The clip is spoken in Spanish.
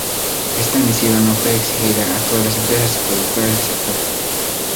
Esta misiva no fue exigida a todas las empresas y productoras del sector.